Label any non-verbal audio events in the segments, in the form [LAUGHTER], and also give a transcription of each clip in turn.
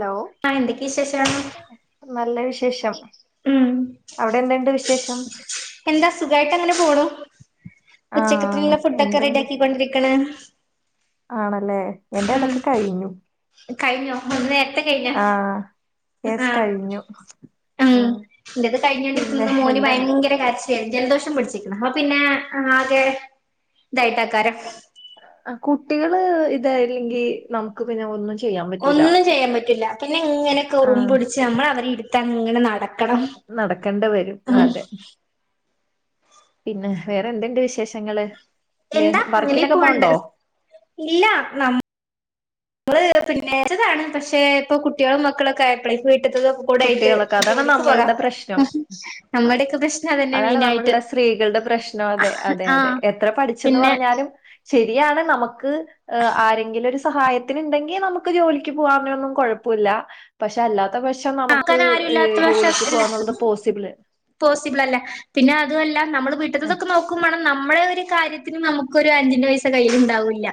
Hello ആഹ എന്തൊക്കെ വിശേഷം നല്ല വിശേഷം ഉം അവിടെ എന്തുണ്ട് വിശേഷം എന്താ സുഖായിട്ടങ്ങനെ പോണു ആഹ് ഉച്ചക്കത്തിനുള്ള ഫുഡൊക്കെ എന്തുണ്ട് റെഡിയാക്കിക്കൊണ്ടിരിക്ക്ണ്‌ ആണല്ലേ എന്റെ ഉം അതൊക്കെ കഴിഞ്ഞു കഴിഞ്ഞോ ഇന്ന് നേരത്തെ കഴിഞ്ഞോ ആഹ് യെസ് ആ കഴിഞ്ഞു ഉം ആഹ് ഇന്റേത് പിന്നെ കഴിഞ്ഞോണ്ട്ക്കുന്നു മോന് എന്താണ് ഭയങ്കര കര ജലദോഷം പിടിച്ചിക്ക്ണ്‌ അപ്പൊ പിന്നെ ആകെ ഇതായിട്ടാക്കാരം ആ കുട്ടികള് ഇതായില്ലെങ്കി നമുക്ക് പിന്നെ ഒന്നും ചെ ഒന്നും ചെയ്യാ പറ്റൂല പിന്നെ ഇങ്ങനെ ആഹ് കുറുമ്പുടിച്ച് നമ്മൾ അവനെ ഇട് തങ്ങനെ നട നടക്കണ്ട വരും അതെ പിന്നെ വേറെ എന്ത്‌ണ്ട് വിശേഷങ്ങള് ദേ എന്താ വർക്കിനൊക്കെ അങ്ങനെപ്പോണ്ട് പോണ്ടോ ഇല്ല നം നമ്മള് പിന്നേ ച്ചതാണ് പക്ഷെ ഇപ്പൊ കുട്ട്യേളും മക്കളൊക്കെ അയപ്പളേ വീ കുട്ട്യേളൊക്കെ അതാണ് നമ്മൾടെ പ്രശ്നം നമ്മുടെയൊക്കെ പ്രശ്നം അതന്നെ അതാണ് മെയിനായിട്ട് നമ്മള്ടെ സ്ത്രീകളുടെ പ്രശ്നം അതെ അതെഅതെ ആഹ് എത്ര പഠിച്ചന്ന് പിന്നെ പറഞ്ഞാലും ശരിയാണ് നമുക്ക് ആരെങ്കിലും ഒരു സഹായത്തിന്ണ്ടെങ്കിൽ നമുക്ക് ജോലിക്ക് പോവാ അതിനൊന്നും കുഴപ്പൊല്ല പക്ഷെ അല്ലാത്ത പക്ഷ ആ ആക്കാനാരുല്ലാത്ത വഷം ഇല്ല പോസിബിള് പോസിബിളല്ല പിന്നെ അതുഅല്ല നമ്മള് അഹ് വീട്ട്ത്തതൊക്കെ നോക്കുമാണം നം നമ്മളെ ഒരു കാര്യത്തിന് നമുക്കൊരു അഞ്ചിന്റെ പൈസ കയ്യിലുണ്ടാവൂല്ല്യ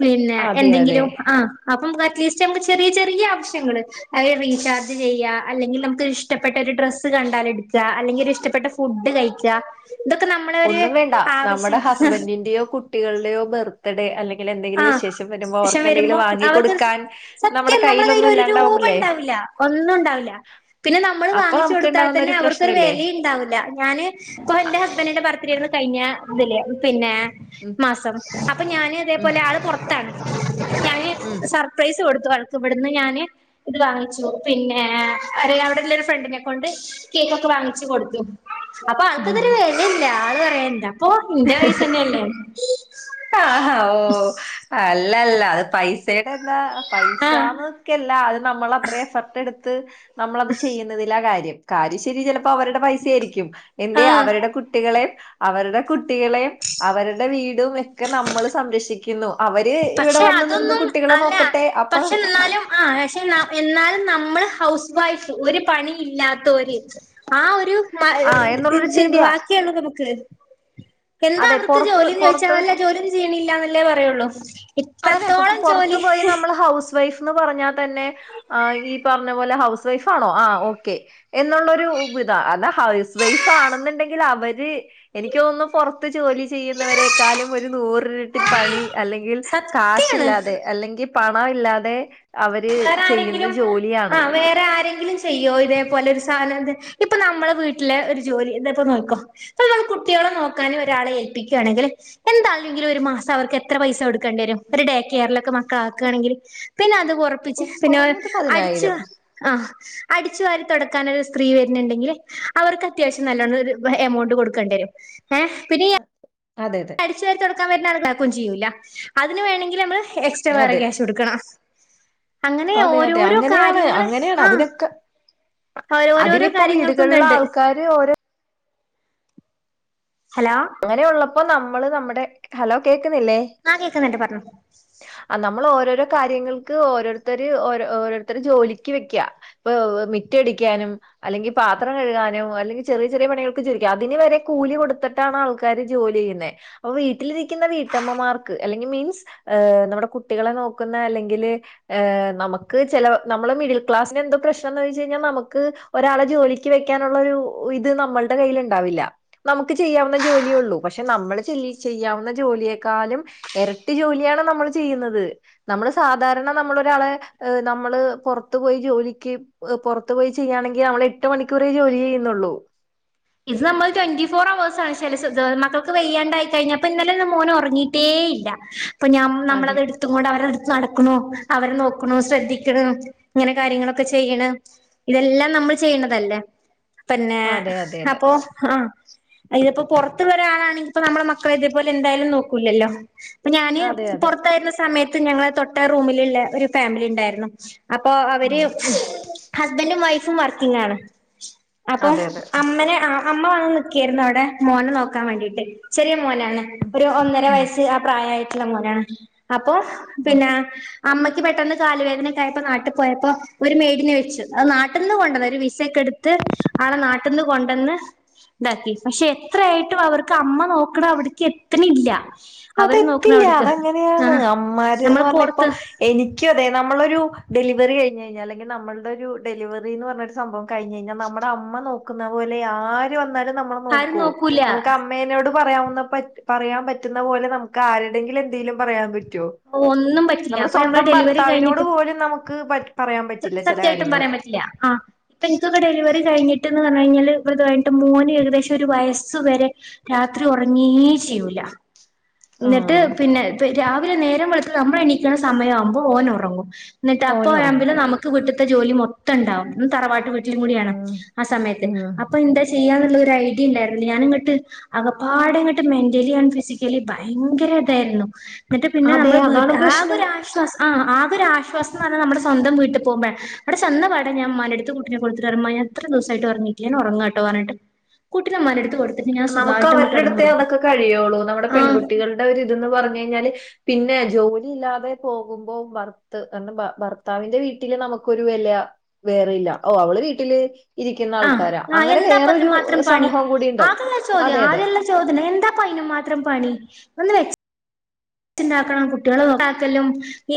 പിന്നെ അതെ, അതെ. എന്തെങ്കിലും ആ അപ്പൊ അറ്റ്ലീസ്റ്റ് നമുക്ക് ചെറിയ ചെറിയ ആവശ്യങ്ങള് അഹ് റീചാർ ചെയ്യ അല്ലെങ്കിൽ നമുക്ക് ഇഷ്ടപ്പെട്ട ഒരു ഡ്രസ്സ് കണ്ടാൽ എട്ക്ക അല്ലെങ്കി ഒരു ഇഷ്ടപ്പെട്ട ഫുഡ് കഴിക്ക ഒന്നും വേണ്ട നമ്മടെ ഹസ്ബന്റിന്റെയോ കുട്ടികളുടെയോ ബെർ ർടെ അല്ലെ ആ ഷം വരുമ്പോ അവർക്ക് വാങ്ങിക്കൊടുക്കാൻ നമ്മുടെ സത്യം നമ്മടെ കയ്യിൽ കയ്യിലൊന്നും ഒരു ഇല്ലാണ്ടാവുമ്പല്ലേ? രൂപണ്ടാവില്ല ഒന്നും ഉണ്ടാവില്ല പിന്നെ നമ്മൾ അപ്പൊ വാങ്ങിച്ചൊടുത്താൽ തന്നെ നമുക്കുണ്ടാവുന്നൊരു അവർക്കൊരു പ്രശ്നല്ലേ? വേലം ഇണ്ടാവൂല ഞാന് ഇപ്പൊ അ. എന്റെ ഹസ്ബന്റിന്റെ ബർ രുന്നു കഴിഞ്ഞ ഇതിൽ പിന്നെ ഉം. മാസം അപ്പൊ ഞാന് അതെ ഉം. പൊറത്താണ് ഞാന് ഉം. സർപ്രൈസ് കൊടു [UNINTELLIGIBLE] ഇവിടുന്ന് ഞാന് ഇത് വാങ്ങിച്ചു പിന്നെ ഒരു അവിടെള്ളരു ഫ്രണ്ടിനെ കൊണ്ട് കേക്കൊക്കെ വാങ്ങിച്ചു കൊടുത്തു അപ്പൊ ആൾക്കിതൊരു ഉം. വെലല്ല ആൾ പ വേണ്ട അപ്പൊ ഇന്റെ വയസ്സന്നെയല്ലേ ആൽ അല്ലല്ല അത് പൈസേ എന്താ ആഹ് പൈസന്നൊക്കെല്ല അത് നമ്മൾ അത്ര എഫർട്ട് എടുത്ത് നമ്മളത് ചെയ്യുന്നതിലാ ആ കാര്യം കാര്യം ശരി ചില അവരുടെ പൈസ ആയിരിക്കും എന്തെ ആഹ് അവരുടെ കുട്ടികളെ അവരുടെ കുട്ടികളേം അവരുടെ വീടും ഒക്കെ നമ്മൾ സംരക്ഷിക്കുന്നു അവര് ഇവിടെ പക്ഷെ വന്ന് നിന്ന് അതൊന്നും കുട്ടികളെ അല്ല നോക്കട്ടെ അപ്പൊ പക്ഷെ എന്നാലും ആ പക്ഷെ എന്നാലും നമ്മള് ഹൗസ് വൈഫ് ഒരു പണി ഇല്ലതൊർ ആ ഒരു ആ എന്നുള്ളൊരു എന്ത് ചിന്തയാ ബാക്കിയുള്ളത് നമ്മക്ക് എന്താ അതെ അവർക്ക് പുറത്ത് ജോലി എന്ന് ചോദിച്ചാൽ പുറത്ത് വല്ല ജോലി [UNINTELLIGIBLE] ല്ലില്ലന്നല്ലേ പറയുള്ളൂ [UNINTELLIGIBLE] ഇത്രത്തോളം പുറത്തു ജോലി പോയി നമ്മൾ ഹൗസ് വൈഫ് ന്ന് പറഞ്ഞാൽ തന്നെ ആ ഈ പറഞ്ഞ പോലെ ഹൗസ് വൈഫ് ആണോ ആ ഓക്കെ എന്നുള്ളരു ഇതാ അല്ല ഹൗസ് വൈഫ് ആണെന്നുണ്ടെങ്കിൽ അവര് എനിക്ക് തന്നുന്നു പുറത്ത് ജോലി ചെയ്യുന്നവരെക്കാളും ഒരു നൂറിരട്ടിപ്പണി അല്ലെങ്കിൽ സത്യാണ് കാശില്ലാതെ അല്ലെങ്കിൽ പണം ഇല്ലാതെ അവര് വേറെ ചെയ്യുന്ന ആരെങ്കിലും ആ ജോലിയാണ് വേറെ ആരെങ്കിലും ചെയ്യോ ഇതേപോലെ ഒരു [UNINTELLIGIBLE] ഇപ്പൊ നമ്മളെ വീട്ടിലെ ഒരു ജോലി [UNINTELLIGIBLE] നോക്കോ അ നമ്മൾ കുട്ടികളെ നോക്കാനും ഒരാളെ ഏൽപ്പികയാണെങ്കിൽ എന്തായാലും ഒരു മാസം അവർക്ക് എത്ര പൈസ കൊടുക്കേണ്ടി വരും ഒരു ഡേ കെയറിലൊക്കെ കു- കാകാണെങ്കിൽ പിന്നെ അത് കോർ കു- പിന്നെ കുറഞ്ഞത് അടിച്ചു പതിനായിരം അടിച്ചു വാരി തൊടക്കാനൊരു സ്ത്രീ വരുന്നുണ്ടെങ്കിൽ അവർക്ക് അത്യാവശ്യം നല്ലോണം ഒരു എമൗണ്ട് കൊടുക്കേണ്ടി വരും [UNINTELLIGIBLE] അതെ അതെ അടിച് വാരി തൊട [UNINTELLIGIBLE] അതിന് വേണമെങ്കിൽ നമ്മള് എക്സ്ട്രാ വരെ അതെ ക്യാഷ് കൊടുക്കണ അതെ അതെ അങ്ങനെയാണ് കാര്യങ്ങള് അങ്ങനെയാണ് ആഹ് അതിനൊക്കെ ഓരോരോരോ അതിനിപൊ കാര്യങ്ങൾക്കും വീടുകളില് ഇതുണ്ട് ആൾക്കാര് ഓരോ ഹലോ അങ്ങനെയുള്ള അപ്പൊ നമ്മള് നമ്മുടെ ഹലോ കേക്ക് ക്കുന്നില്ലേ ആഹ് കേക്കുന്നുണ്ട് പറഞ്ഞോ നമ്മൾ ഓരോരോ കാര്യങ്ങൾക്ക് ഓരോരുത്തർഓ ഓരോരുത്തർ ജോലക്ക് വെക്ക്യ ഓ മിറ്റടിക്കാനും അല്ലെങ്കിൽ പാത്രം കഴുകാനും അല്ലെങ്കിൽ ചെറിയ ചെറിയ പണികൾക്കെ [UNINTELLIGIBLE] അതിന് വരെ കൂലി കൊടുത്ത ആൾക്കർ ജോലി ചെയ്യുന്നെ അപ്പൊ വീട്ടിൽ നിൽക്കുന്ന വീട്ടമ്മമാർക്ക് അല്ലെങ്കിൽ മീൻസ് നമ്മുടെ കുട്ടികളെ നോക്കുന്ന അല്ലെങ്കിൽ് നമുക്ക് ചല നമ്മള് മിഡിൽ ക്ലാസിന് എന്തോ പ്രശ്നംന്ന്ചോദിച്ചുകഴിഞ്ഞാൽ നമുക്ക് ഒരാളെ ജോലിക്ക് വെക്കാനുള്ള ഇത് നമ്മളുടെ കയ്ൽ ഉണ്ടാവില്ല നക്ക് ചെയ്യാവുന്ന ജോലിയള്ളൂ പക്ഷെ നമ്മൾ ചെയ്യാവുന്ന ജോലിയേക്കാളും ഇരട്ടി ജോലിയാണ് നമ്മൾ ചെയ്യുന്നത് നമ്മള് സാധാരണ നമളോരാളെ നമ്മള് പുറത്തു പോയി ജോലിക്ക് പുറത്തു പോയി ചെയ്യയാണെങ്കിൽ നമ്മൾ എട്ട് മണിക്കൂറേ ജോലി ചെയ്യുന്നുള്ളൂ ഇത് നമ്മൾ ട്വന്റി ഫോർ അവേഴ്‌സ് ആണ് മക്കൾക്ക് വെയ്യാണ്ടായിക്കഴിഞാപ്പ ഇന്നലെ അപ്പൊ മോന ഉറങ്ങിയിട്ടേ ഇല്ല അപ്പൊ ഞ അതെ നമ്മളത്ടുത്ത് കൊണ്ട് അവര അടുത്ത് നടക്ക ന [UNINTELLIGIBLE] അവരെ നോക്ക്ണു ശ്രദ്ധിക്ക്ണ് ഇങ്ങനെ കാര്യങ്ങളൊക്കെ ചെയ്യിണ് ഇതെല്ലാം നമ്മൾ ചെയ്യിണണതല്ലേ പിന്നെ അതെ അതെ അതെ അപ്പൊ ആഹ ഇതിപ്പോ പുറത്തുള്ള ഒരാളാണെങ്കി ഇപ്പ നമ്മള മക്കളെ ഇതേപലെ എന്തായാലും നോക്കൂല്ലല്ലോ ഞാന് അതെ അതെ പുറത്തായിരുന്ന [UNINTELLIGIBLE] ആ സമയത്ത് ഞങ്ങളെ തൊട്ട റൂമിലുള്ള ഒരു ഫാമിലി ഉണ്ടായിരുന്നു അപ്പൊ അവര് ഉം ഹസ്ബൻഡും വൈ [UNINTELLIGIBLE] [INAUDIBLE] വർക്കിങ്ങാണ് അപ്പൊ അതെ അതെ [UNINTELLIGIBLE] അ അമ്മ വന്ന് നിക്കായിരുന്നു അവിടെ മോനെ നോക്കാൻ വേണ്ടിട്ട് ശരി [UNINTELLIGIBLE] മോനാണ് ഒരുഒന്നര വയസ്സ് ആ പ്രായ [UNINTELLIGIBLE] ഇല്ല മോനെ അപ്പൊ ഉം പിന്നെ [UNINTELLIGIBLE] അമ്മക്ക് പെട്ടെന്ന് കാല് വേദനക്കെ ആയപ്പോ നാട്ടിൽ പോയപ്പോൊ ഒരു മേടിനെ വെച്ചു അത് നാട്ടിൽ നിന്ന് കൊണ്ടന്ന ഒരു വിസയൊക്കെ എടുത്ത് ആളെ നാട്ടിൽ നിന്ന് കൊ [UNINTELLIGIBLE] അവിടെന്ന് ഇതാക്കി പക്ഷെ എത്രയായിട്ടും അവർക്ക് അമ്മ നോക്ക്ണ അവിടക്ക് എത്ത്ണ്ല്ല [INAUDIBLE] അതെത്തില്ല അതെങ്ങനെയാണ് അമ്മാര്ന്ന് നമ്മള് പറഞ്ഞ ഇപ്പൊ പുറത്ത് എനിക്ക അതെ നമ്മളൊരു ഡെലിവറി കഴിഞ്ഞഞ് കഴിഞ്ഞാൽ അല്ലെങ്കിൽ നമ്മളുടെ ഒരു ഡെലിവറി എന്ന് പറെഞ്ഞാരു സംഭവം കഴിഞ് കഴിഞ്ഞാൽ നമ്മടെ അമ്മ നോക്കുന്ന പോലെ ആരു വന്നാലും- നമ്മൾ ആരും നോക്കോ നോക്കൂല നമുക്ക് അമ്മേനോട് പറയാവുന്ന- [INAUDIBLE] [INAUDIBLE] പറയാൻ പറ്റു [UNINTELLIGIBLE] പോലെ നമുക്ക് ആരുടെങ്കിലും എന്തെങ്കിലും പറയാൻ പറ്റോ [INAUDIBLE] ഓ ഒന്നും പറ്റില്ല അപ്പൊ ഞമ്മൾ ഡെലിവറി കഴിഞ്ഞിട്ട്- ക്ക് പടി - സത്യമായിട്ടും പറയാൻ പറ്റില്ല ആ ഇപ്പൊ എനിക്കൊക്കെ ഡെലിവറി കഴിഞ്ഞിട്ട്ന്ന് പറഞ്ഞ കഴിഞ്ഞാല്- ഇത് കഴിഞിട്ട് മോന് ഏകദേശം ഒരു വയസ്സ് വരെ രാത്രി ഉറെങ്ങ ചെയ്യൂല എന്നിട്ട് ആഹ് പിന്നെ - [UNINTELLIGIBLE] രാവിലെ നേരം വെളുത്ത് നമ്മ എണിക്കണ സമയ ആവുമ്പോൾ ഓന് ഉറങ്ങും [UNINTELLIGIBLE] എന്നിട്ടപ്പ ഓന് [UNINTELLIGIBLE] ഉറങ്ങും പിന്നെ നമക്ക് [UNINTELLIGIBLE] ജോലി മൊത്തം ഉണ്ടാവും [UNINTELLIGIBLE] തറവാട്ട് [UNINTELLIGIBLE] വീട്ടിലും കൂടിയാണ് ഉം ആ സമയത്ത് ഉം അപ്പൊ എന്താ ചെയ്യാന്നുള്ളദ്- ഒരു ഐഡിയ ഉണ്ടായിരുന്നില്ല്യ ഞാനിങ്ങോട്ട് അകപ്പാട ഇങ്ങോട്ട് മെന്റലി ആൻഡ് ഫിസിക്കലി ഭയങ്കര ഇതായിരുന്നു എന്നിട്ട് പിന്നെ അതെ അതാണ് ആക പ്രശ്നം ഒരു ആശ്വാസം ആ ആകൊരു ആശ്വാസംന്ന് പറയുന്നത് നമ്മുടെ- സ്വന്തം വീട്ടി പോവുമ്പോ അവിടെ ചെന്ന പാടെ ഞാൻ മ്മനെടുത്ത് കുട്ടിനെകൊടുത്തിട്ട് മ്മ ഞാന് ഇത്ര ദിവസമായിട്ട് ഉറങ്ങിട്ടില്ല ഞാൻ ഉറങ്ങാട്ടോന്ന് പറഞ്ഞിട്ട് കുട്ടിനെ മ്മാനെടുത്ത് കൊടു നമുക്ക് അവരുടെ അടുത്തേ അതൊക്കെ കഴിയുള്ളൂ നമ്മുടെ ആഹ് പെൺകുട്ടികളുടെ ഒരിതന്ന് പറഞ്ഞു കഴിഞ്ഞാല്- പിന്നെ ജോലി ഇല്ലാതെ പോകുമ്പോ ഭർത്താവിന്റെ വീട്ടില് നമുക്കൊരു വില വേരില്ല ഓ അവള് വീട്ടില്- ഇരിക്കുന്ന ആഹ് ആൾക്കാരാ ആഹ് അങ്ങനെ എന്താപ്പ അതിന് വേറൊരു മാത്രം പണി സമൂഹം കൂടി ഉണ്ടാവും ആദ്യള്ള ചോദ്യം ആദ്യള്ള ചോദ്യം എന്താപ്പ അതിനും മാത്രം പണി? ഒന്ന് വെച്ച് - ഫുട്ണ്ടാക്കണം കുട്ടികള നോക്കണം.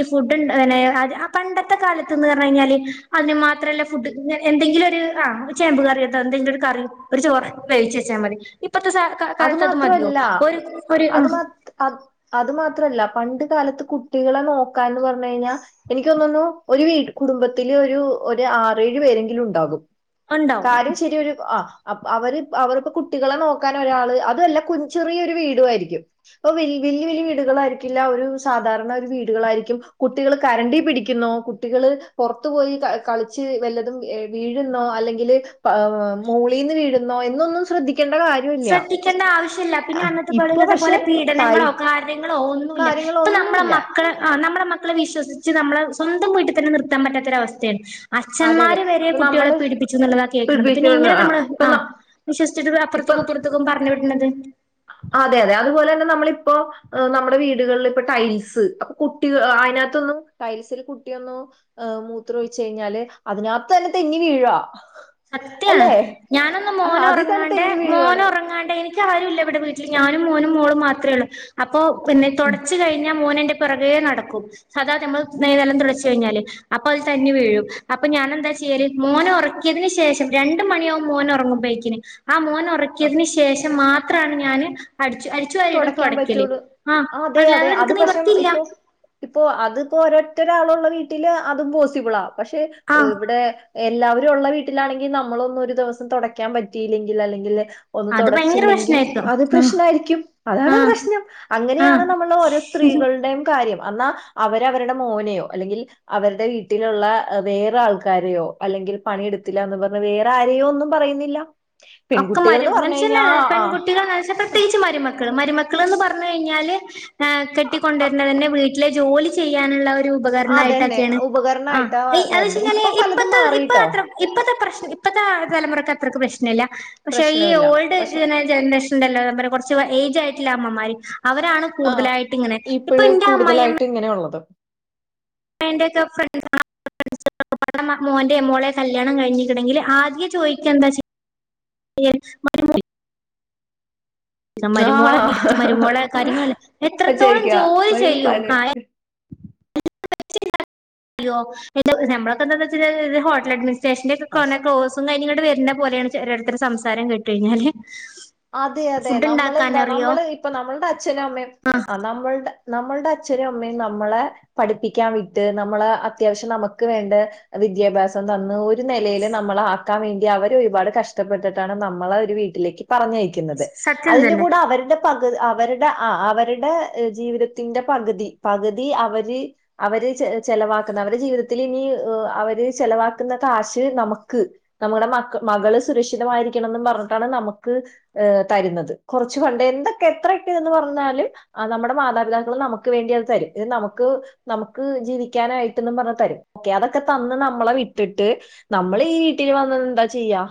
ഫുടുണ്ടാക്കലും പണ്ടത്തെ കാലത്ത്ന്ന് പറഞ്ഞഞ് കഴിഞ്ഞാല് അതിന് മാത്രമല്ല ഫുഡ് എന്തെങ്കിലും ഒരു ആ ചേമ്പ് കറി അ എന്തെങ്കിലും ഒരു കറി ഒരു ചോറ് വേവിച്ച് വെച്ചാൽ മതി ഇപ്പത്തെ കാലത്ത് അത് മതിയോ ഒരു ഒരു ആ അത് മാത് അത് അത് മാത്രല്ല പണ്ട് കാലത്ത് കുട്ടികളെ നോക്കാൻന്ന് പറഞ്ഞു കഴിഞ്ഞാൽ എനിക്ക് തോന്നുന്നു വി ഒരു കുടുംബത്തില് ഒരു ആറേഴു പേരെങ്കിലും ഉണ്ടാകും ഉണ്ടാവും കാര്യം ശരി ഒരു ആ അവര് അവർക് കുട്ടികളെ നോക്കാൻ ഒരാള് അതല്ല കുഞ് ചെറിയ ഒരു വീട് ആയിരിക്കും ഇപ്പൊ വലിയ വലിയ വീടുകളായിരിക്കില്ല ഒരു സാധാരണ ഒരു വീടുകളായിരിക്കും കുട്ടികൾ കരണ്ടി പിടിക്കുന്നോ കുട്ടികൾ പുറത്തു പോയി കളിച്ച് വല്ലതും വീഴുന്നോ അല്ലെങ്കിൽ മോളിൽന്ന് വീഴുന്നോ എന്നൊന്നും ശ്രദ്ധിക്കേണ്ട കാര് ശ്രദ്ധിക്കേണ്ട ആവശ്യല്ല പിന്നെ അന്നത്തെ പോലെ ഇപ്പൊ ഇന്നത്തെ പോല പക്ഷെ തൈ പീഡനങ്ങളോ കാര ളോ ഒന്നുല്ല ഇപ്പ നമ്മള കാര്യങ്ങളൊന്നുമില്ല. മക്കള് അ നമ്മ മക്കളെ വിശ്വസിച്ച് നമ്മള് സ്വന്തം വീട്ടിൽ തന്നെ നിർത്താൻ പറ്റാത്തൊരവസ്ഥയാണ് അതെ അതെ അച്ഛന്മാര് വരെ ഇപ്പൊ കുട്ടികളെ നമ്മള് പീഡിപ്പിച്ചു എന്നുള്ളതാ കേൾക്കുന്നുണ്ട് പിന്നെ ഇപ്പൊ എങ്ങനെ നമ്മൾ ആ വിശ്വസിച്ചിട്ട് അപ്പുറ ഇപ്പൊ പുറത്തേക്കും ഇപ്പുർത്തെക്കും പറഞ്ഞു വിടുന്നത്. അതെ അതെ അതുപോലെ തന്നെ നമ്മളിപ്പോ നമ്മുടെ വീടുകളിൽ ഇപ്പ ടൈൽസ് അപ്പൊ കുട്ടി അതിനകത്തൊന്നും ടൈൽസിൽ കുട്ടിയൊന്നും മൂത്രൊഴിച്ചു കഴിഞ്ഞാല് അതിനകത്ത് തന്നെ തെന്നി വീഴാ. സത്യാണ് ഞാനൊന്ന് ആഹ് മോന് അതിൽ തന്നെ ഉറങ്ങാണ്ട് തെന്നി മോന് വീഴുവാണ്. ഉറങ്ങാണ്ടെനി ട്ടിൽ ആരും ഇല്ല ഇവിടെ വീട്ടിൽ ഞാനും മോനും മോളും മാത്രേള്ളൂ അ അപ്പോ പിന്നെ ഉം. തുടച്ചു കഴിഞ്ഞ മോനെ പിറകേ നടക്കും സാധാ നമ്മള് നെ നെലം തുടച്ചു കഴിഞ്ഞാല് അപ്പൊ അത് തന്നി വീഴും അപ്പൊ ഞാനെന്താ ചെയ്യല് മോനെ ഉറക്കി തിന് ശേഷം രണ്ടു മണിയാകും മോൻ ഉറങ്ങുമ്പോഴക്കിന് ആ മോൻ ആ, ഉറക്കിയതിന് ശേഷം മാ ത്രാണ് ഞാന് അടു തുടയ്ക്കാൻ പറ്റുള്ളു അതെ അതെ അല്ലാതെ അത് എനിക്ക് പക്ഷെ നിവർത്തിയില്ല ഇപ്പൊ ഇപ്പോ അതിപ്പോ ഒറ്റൊരാളുള്ളത് വീട്ടില് അതും പോസിബിൾ ആവും. പക്ഷെ ആഹ് ഇവിടെ എല്ലാവ രൊള്ള വീട്ടിലാണെങ്കിൽ നമ്മളൊന്നു ഒരു ദിവസം തുടക്കാൻ പറ്റയില്ലെങ്കിൽ അല്ലെങ്കിൽ ഒന്ന് അത് ഭയങ്കര തുടച്ചില്ലെങ്കിൽ പ്രശ്നായിരുന്നു അത് ആഹ് പ്രശ്നമായിരിക്കും. അതാണ് ആഹ് പ്രശ്നം ആഹ് അങ്ങനെയാണ് നമ്മൾ ഓരോ സ്ത്രീകളുടെയും കാര്യം. എന്നാ അവരവരുടെ മോനെയോ അല്ലെങ്കിൽ അവരുടെ വീട്ടിലുള്ള വേറെ ആൾക്കാരെയോ അല്ലെങ്കിൽ പണിയെടുത്തില്ല എന്ന് പറഞ്ഞ് വേറെ ആരെയൊന്നും പറയുന്നില്ല. ഒക്കെ പെൺകുട്ടികൾ മരു എന്ന് പറഞ്ഞു കഴിഞ്ഞാൽ [UNINTELLIGIBLE] പെൺകുട്ടികൾ പ്രത്യേകിച്ച് മരുമക്കള് മരുമ മക്കളെന്ന് പറഞ്ഞു കഴിഞ്ഞാല് ആ കെട്ടി കൊണ്ടു ആ വരണ തന്നെ വീട്ടിലെജോ ജോലി ചെയ്യാനുള്ള ഒരു ഒരു ഉപകരണം അതന്നെ ആയിട്ടൊക്കെയാണ് ആ ഉപകരണായിട്ടാ അത് വെച്ച് വരുന്നെ. ഇപ്പൊ കഴിഞ്ഞാൽ പലതും ഇപ്പത്തെ ഇപ്പം മാറിട്ടോ അത്ര ഇപ്പത്തെ പ്രശ് ഇപ്പത്തെ തലമുറക്ക് അത്രക്ക് പ്രശ്നം ഇല്ല പക്ഷെ ഈ പ്രശ്നമില്ല. ഓൾഡ് പക്ഷെ ജന ജനറേഷൻ ണ്ട്ല്ലോ കുറച്ച് ഏജ് ആയിട്ടിള്ള അമ്മമാര് അവരാണ് ആഹ് കൂടുതലായിട്ട് ഇങ്ങനെ ഇപ്പൊ ഇപ്പഴ് എന്റെ അമ്മായിയമ്മ കൂടുതലായിട്ട് ഇങ്ങനെയുള്ളത്. എന്റെയൊക്കെ ഫ്രണ്ട് ആ [UNINTELLIGIBLE] മോന്റെ മോളെ കല്യാണം കഴിഞ്ഞിട്ടുണ്ടെങ്കിൽ ആദ്യം ചോദിക്കാ എന്താ ചെയ്യ [UNINTELLIGIBLE] മരുമോള് വിറ്റ് ആഹ് മരുമോള കാര്യങ്ങളല്ലേ എത്രത്തോളം ശരിക്കാ. ജോലി പല ചെയ്യും പല ആ നമ്മളൊക്കെ എന്താ ഹോട്ട അഡ്മി സ്റ്റേഷനൊക്കെ കൊറേ പക്ഷെ കോഴ്സും കാര്യാ വരുന്ന പോലെയാണ് ചെലൊരുടെ സംസാരം കേട്ട കഴിഞ്ഞാല് അതെ അതെ ഫുഡ് ഉണ്ടാക്കാൻ നമ്മൾന്താ അറിയോ നമ്മള് ഇപ്പ നമ്മളുടെ അച്ഛനും അമ്മയും ആ നമ്മളുടെ നമ്മളുടെ അച്ഛനും അമ്മയും നമ്മളെ പഠിപ്പിക്കാൻ വിട്ട് നമ്മളെ അത്യാവശ്യം നമുക്ക് വേണ്ട വിദ്യാഭ്യാസം തന്ന് ഒരു നിലയിൽ നമ്മളെ ആക്കാൻ വേണ്ടി അവര് ഒരുപാട് കഷ്ടപ്പെട്ടിട്ടാണ് നമ്മളെ ഒരു വീട്ടിലേക്ക് പറഞ്ഞയയ്ക്കുന്നത് സത്യം അതിന്റെ തന്നെ കൂടെ അവരുടെ പകു അവരുടെ ആ അവരുടെ ജീവിതത്തിന്റെ പകുതി പകുതി അവര് അവര് ചെലവാക്കുന്ന അവരുടെ ജീവിതത്തിൽ ഇനി അവര് ചെലവാക്കുന്ന കാശ് നമുക്ക് നമ്മുടെ മകള് സുരക്ഷിതമായിരിക്കണംഎന്നും പറഞ്ഞിട്ടാണ് നമ ക്ക് തരുന്നത് കുറച്ചു കണ്ട് എന്തൊക്കെ എത്രയൊക്കെ എന്ന് പറഞ്ഞാലും നമ്മുടെ മാതാപിതാക്കൾ നമുക്ക് വേണ്ടി അത് തരും ഇത് നമുക്ക് നമുക്ക് ജീവിക്കാനായിട്ട്ന്ന് പറഞ്ഞ തരും ഓക്കെ അതൊക്കെ തന്ന് നമ്മളെ വിട്ടിട്ട് നമ്മൾ ഈ വീട്ടിൽ വന്ന് എന്താ ചെയ്യാ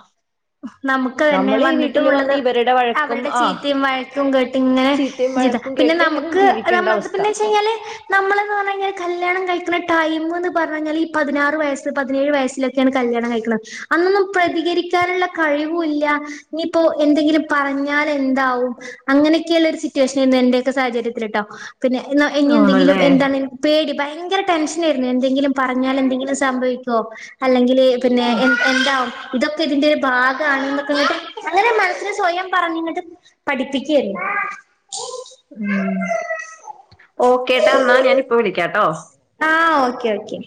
നമുക്ക് തന്നെ നമ്മൾ ഈ വന്നി വീട്ടിൽ വന്ന് എന്തുള്ളത് ഇവരുടെ വഴക്കും അവരുടെ ആ ചീത്തയും വഴക്കും കേട്ട് ഇങ്ങനെ ചീത്തയും വഴക്കും പിന്നെ കേട്ട് ഇങ്ങനെ നമുക്ക് ജീവിക്കേണ്ട അവസ്ഥ പിന്നെ വച്ച കഴിഞ്ഞാല് നമ്മള പറഞ്ഞ് കഴിഞ്ഞാൽ കല്യാണം കഴിക്ക ടൈം ന്ന് പറഞ്ഞ് ഈ പതിനാറ് വയസ് പതിനേഴ് വയസ്സിലൊക്കെയാണ് കല്യാണം കഴിക്കുന്നത് അന്നൊന്നും പ്രതികരിക്കാനുള്ള കഴിവൂല്ല നീയിപ്പോ എന്തെങ്കിലും പറഞ്ഞാൽ എന്താവും അങ്ങനെയൊക്കെയുള്ള ഒരു സിറ്റുവേഷൻ ആയിരുന്നു എന്റെയൊക്കെ സാഹചര്യത്തില് കേട്ടോ പിന്നെ ഇനി എന്തെങ്കിലും ആണല്ലേ എന്താണ് പേടിയ ഭ ഭയങ്കര ടെൻഷൻ ആയിരുന്നു എന്തെങ്കിലും പറഞ്ഞാൽ എന്തെങ്കിലും സംഭവിക്കോ അല്ലെങ്കിൽ പിന്നെ എ എന്താ ഇതൊക്കെതിന്റെ ഭാഗമാണ് എന്നൊക്കെ ഇങ്ങോട്ട് അങ്ങനെ മനസ്സിന് സ്വയം പറഞ്ഞിട്ട് പഠിപ്പിക്കായിരുന്നു ഉ ഓക്കേട്ടാ എന്നാ ഞാനിപ്പ വിളിക്കാട്ടോ ആ ഓക്കെ ഓക്കെ